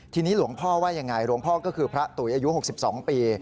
ทีนี้หลวงพ่อว่ายังไงหลวงพ่อก็คือพระตุ๋ยอายุ๖๒ปี